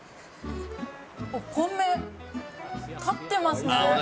お米、立ってますね。